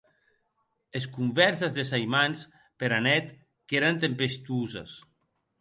Es convèrses des aimants pera net qu’èren tempestoses.